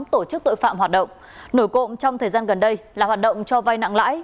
tổ chức tội phạm hoạt động nổi cộng trong thời gian gần đây là hoạt động cho vai nặng lãi